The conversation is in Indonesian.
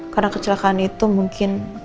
karena kecelakaan itu mungkin